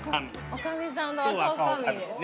女将さんと若女将ですね。